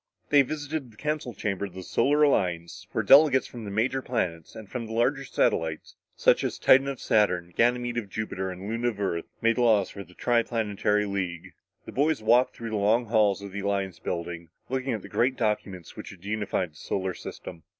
They visited the council chamber of the Solar Alliance where delegates from the major planets and from the larger satellites, such as Titan of Saturn, Ganymede of Jupiter, and Luna of Earth made the laws for the tri planetary league. The boys walked through the long halls of the Alliance building, looking at the great documents which had unified the solar system.